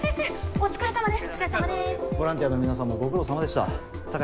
お疲れさまです。